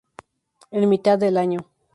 En mitad del año.